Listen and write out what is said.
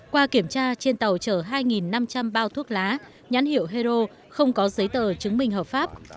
qua kiểm tra trên tàu chở hai năm trăm linh bao thuốc lá nhãn hiệu hero không có giấy tờ chứng minh hợp pháp